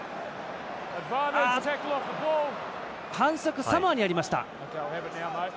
反則、サモアにありました。